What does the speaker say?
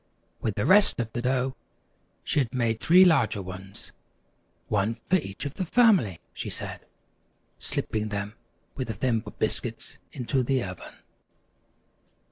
With the rest of the dough, she had made three larger ones. "One for each of the family," she said, slipping them with the Thimble Biscuits into the oven.